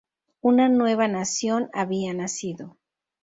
Una nueva nación había nacido.